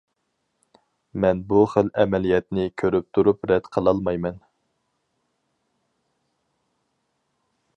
مەن بۇ خىل ئەمەلىيەتنى كۆرۈپ تۇرۇپ رەت قىلالمايمەن.